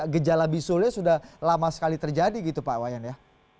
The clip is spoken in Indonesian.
gejala bisulnya sudah lama sekali terjadi gitu pak wayan ya